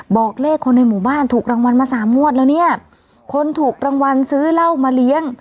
บอกเลขคนในหมู่บ้านถูกรางวัลมาสามงวดแล้วเนี่ยคนถูกรางวัลซื้อเหล้ามาเลี้ยง